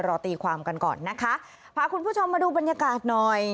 รอตีความกันก่อนนะคะพาคุณผู้ชมมาดูบรรยากาศหน่อย